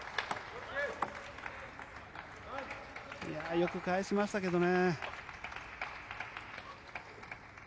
よく返しましたけどね。